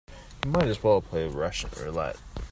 You might as well play Russian roulette.